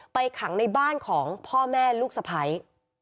ไปขังในบ้านของพ่อแม่ลูกสะไพร